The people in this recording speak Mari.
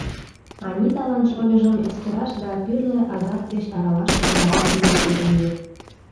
Аниталан шольыжым эскераш да тӱрлӧ азап деч аралаш утларак йӧсӧ лие.